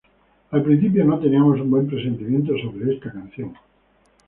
Al principio no teníamos un buen presentimiento acerca de esta canción.